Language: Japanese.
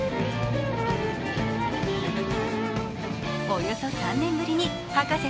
およそ３年ぶりに葉加瀬